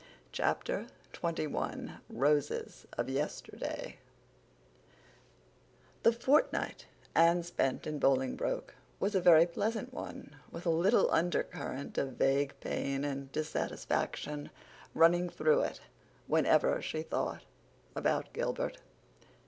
Chapter XXI Roses of Yesterday The fortnight Anne spent in Bolingbroke was a very pleasant one, with a little under current of vague pain and dissatisfaction running through it whenever she thought about Gilbert.